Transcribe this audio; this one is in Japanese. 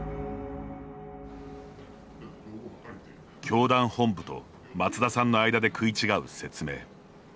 教団本部と松田さんの間で食い違う説明。